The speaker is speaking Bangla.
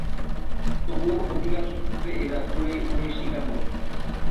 তবুও অধিকাংশ ক্ষেত্রে এরা উড়ে উড়ে শিকার ধরে।